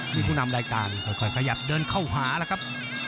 ผู้นำรายการค่อยขยับเดินเข้าหาแล้วครับ